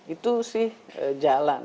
itu sih jalan